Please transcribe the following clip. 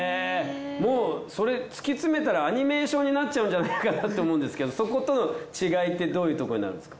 もうそれ突き詰めたらアニメーションになっちゃうんじゃないかなと思うんですけどそことの違いってどういうところになるんですか？